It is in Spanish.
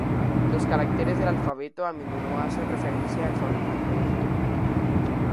Los caracteres del alfabeto a menudo hacen referencia al fabricante del equipo.